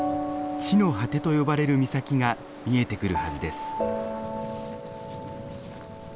地の果てと呼ばれる岬が見えてくるはずです。